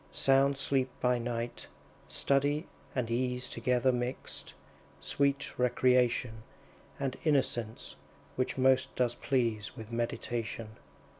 Sound sleep by night; study and ease Together mixed; sweet recreation, And innocence, which most does please With meditation.